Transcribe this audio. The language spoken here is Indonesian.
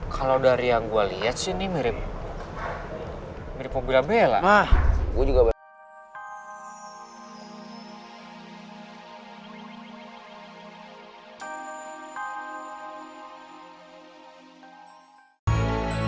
kalau dari yang gue lihat sih ini mirip